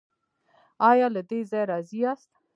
ایا له دې ځای راضي یاست؟